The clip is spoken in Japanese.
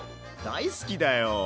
大好きだよ。